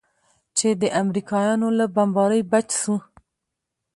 چې د امريکايانو له بمبارۍ بچ سو.